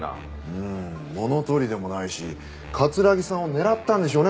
うーん物取りでもないし城さんを狙ったんでしょうね